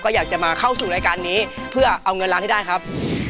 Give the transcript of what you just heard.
อยากจะมาเข้าสู่รายการนี้เพื่อเอาเงินล้านให้ได้ครับ